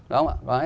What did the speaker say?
đúng không ạ